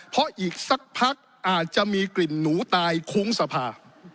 เพราะอีกสักพักอาจจะมีกลิ่นหนูตายโค้งสภา